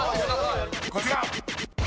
［こちら！］